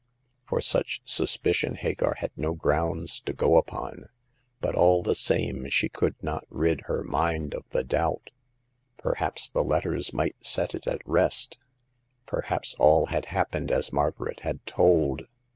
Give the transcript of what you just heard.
For such suspicion Hagar had no grounds to go upon ; but all the same she could not rid her mind of the doubt. Perhaps the letters might set it at rest ; perhaps all had happened as Margaret had told.